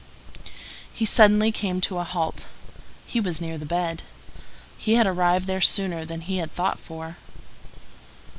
He suddenly came to a halt. He was near the bed. He had arrived there sooner than he had thought for.